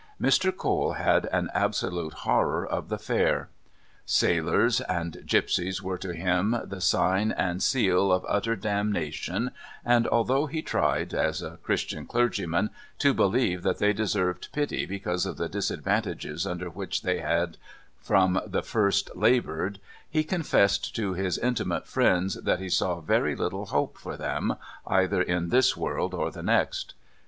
Mr. Cole had an absolute horror of the fair. Sailors and gipsies were to him the sign and seal of utter damnation, and although he tried, as a Christian clergyman, to believe that they deserved pity because of the disadvantages under which they had from the first laboured, he confessed to his intimate friends that he saw very little hope for them either in this world or the next.